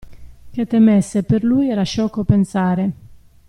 Che temesse per lui era sciocco pensare.